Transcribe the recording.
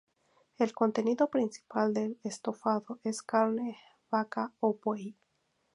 El contenido principal del estofado es carne, vaca o buey.